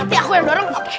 nanti aku yang dorong